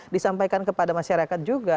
disampaikan kepada masyarakat juga